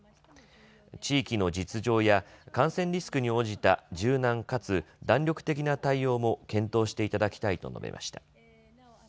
地域の実情や感染リスクに応じた柔軟かつ弾力的な対応も検討していただきたいと述べました。